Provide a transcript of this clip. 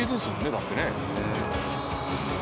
だってね。